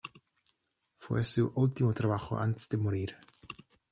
Fue su último trabajo antes de morir.